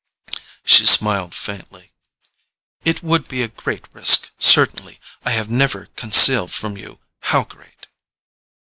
She smiled faintly. "It would be a great risk, certainly—I have never concealed from you how great."